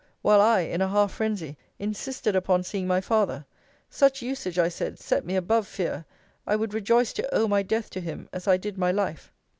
While I, in a half phrensy, insisted upon seeing my father; such usage, I said, set me above fear. I would rejoice to owe my death to him, as I did my life.